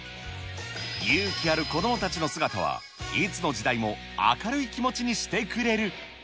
勇気ある子どもたちの姿は、いつの時代も明るい気持ちにしてくれる。